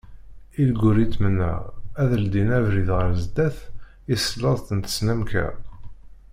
Ilguritmen-a, ad d-ldin abrid ɣer sdat i tesleḍt n tesnamka.